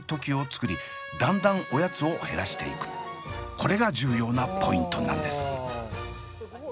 これが重要なポイントなんです！